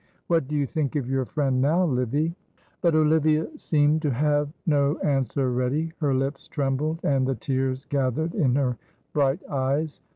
"What do you think of your friend now, Livy?" But Olivia seemed to have no answer ready, her lips trembled, and the tears gathered in her bright eyes.